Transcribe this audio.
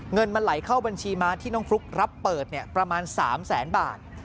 เงินมันไหลเข้าบัญชีม้าที่น้องฟลุ๊กรับเปิดประมาณ๓แสนบาท